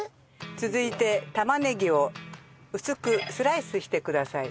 続いて玉ねぎを薄くスライスしてください。